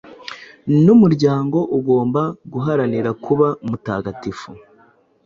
n‟umuryango ugomba guharanira kuba mutagatifu.